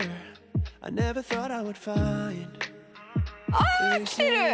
あ来てる！